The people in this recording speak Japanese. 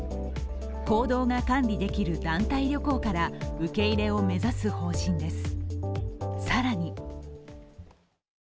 行動が管理できる団体旅行から受け入れを目指す方針です。